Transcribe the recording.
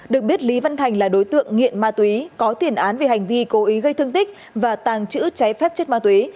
được biết lý văn thành là đối tượng nghiện ma túy có tiền án về hành vi cố ý gây thương tích và tàng trữ trái phép chất ma túy